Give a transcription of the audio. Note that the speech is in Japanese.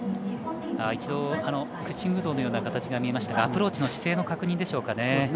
一度、屈伸運動のような形が見えましたがアプローチの姿勢の確認でしょうか。